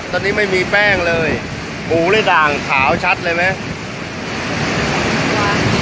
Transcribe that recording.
ตอนนี้ไม่มีแป้งเลยหมูในด่างขาวชัดเลยไหม